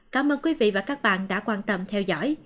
cảm ơn quý vị và các bạn đã quan tâm theo dõi